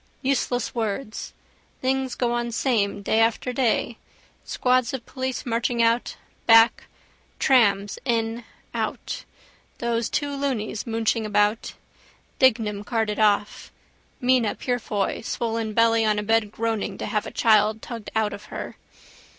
Useless words. Things go on same, day after day: squads of police marching out, back: trams in, out. Those two loonies mooching about. Dignam carted off. Mina Purefoy swollen belly on a bed groaning to have a child tugged out of her.